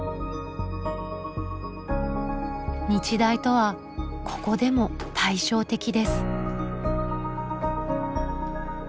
日大とはここでも対照的です。